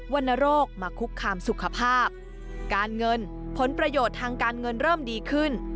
วรรณโรคมาคุกคามสุขภาพการเงินผลประโยชน์ทางการเงินเริ่มดีขึ้น